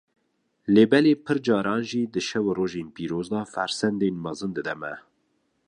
lêbelê pir caran jî di şev û rojên pîroz de fersendên mezin dide me.